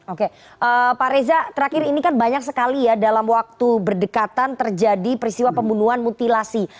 oke pak reza terakhir ini kan banyak sekali ya dalam waktu berdekatan terjadi peristiwa pembunuhan mutilasi